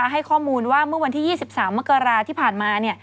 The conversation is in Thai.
ให้ข้อมูลว่าเมื่อวันที่๒๓มกราที่ผ่านมา